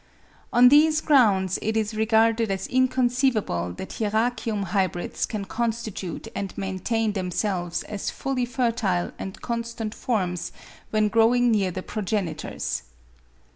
On these grounds it is regarded as inconceivable that Hieracium hybrids can constitute and maintain themselves as fully fertile and constant forms when growing near their pro genitors.